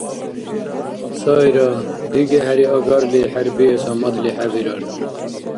Сайра, диги-хӀери агарли хӀербиэс гьамадли хӀебирар.